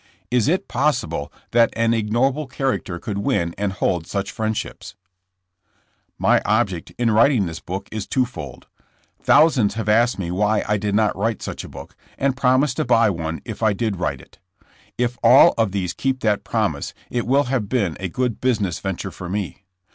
Is it possible that an ignoble character could win and hold such friend ships ? My object in writing this book is twofold. Thousands have asked me why I did not write such a book, and promised to buy one if I did write it. If all of these keep that promise it will have been a good business venture for me.